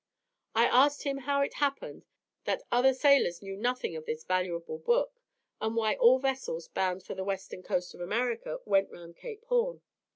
I asked him how it happened that other sailors knew nothing of this valuable book, and why all vessels bound for the western coast of America went round Cape Horn?